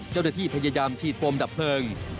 เจ้าหน้าที่พยายามฉีดโฟมดับเพลิง